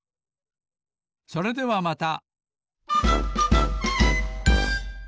それではまた。